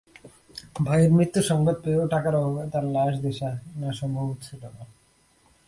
ভাইয়ের মৃত্যুসংবাদ পেয়েও টাকার অভাবে তাঁর লাশ দেশে আনা সম্ভব হচ্ছিল না।